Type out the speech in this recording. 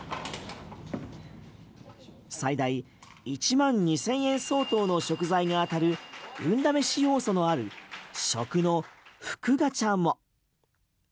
最大１万２０００円相当の食材が当たる運試し要素のある食の福ガチャも。